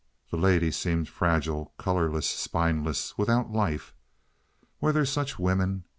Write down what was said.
The lady seemed fragile, colorless, spineless—without life. Were there such women?